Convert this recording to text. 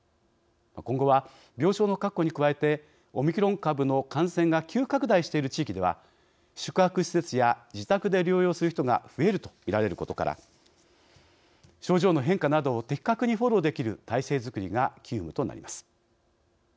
今後は、病床の確保に加えてオミクロン株の感染が急拡大している地域では宿泊施設や自宅で療養する人が増えるとみられることから症状の変化などを的確にフォローできる体制づくりが急務となります。